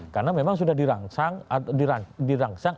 karena memang sudah dirangsang